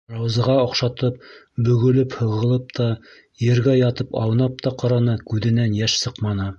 Раузаға оҡшатып бөгөлөп-һығылып та, ергә ятып аунап та ҡараны - күҙенән йәш сыҡманы.